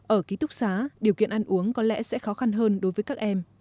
ở ký túc xá điều kiện ăn uống có lẽ sẽ khó khăn hơn đối với các em